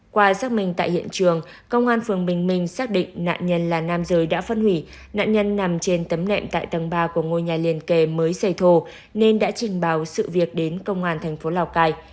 qua xác minh tại hiện trường công an phường bình minh xác định nạn nhân là nam giới đã phân hủy nạn nhân nằm trên tấm nệm tại tầng ba của ngôi nhà liên kề mới xây thồ nên đã trình báo sự việc đến công an thành phố lào cai